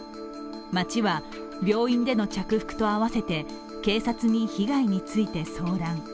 町は病院での着服と合わせて警察に被害について相談。